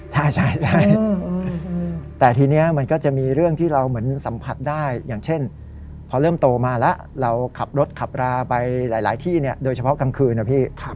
ใช่แต่ทีนี้มันก็จะมีเรื่องที่เราเหมือนสัมผัสได้อย่างเช่นพอเริ่มโตมาแล้วเราขับรถขับราไปหลายที่โดยเฉพาะกลางคืนนะพี่